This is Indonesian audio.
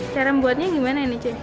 cara membuatnya gimana